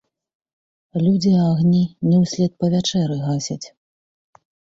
Людзі агні не ўслед па вячэры гасяць.